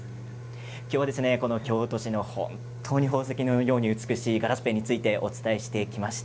今日は京都市の本当に宝石のように美しいガラスペンについてお伝えしてきました。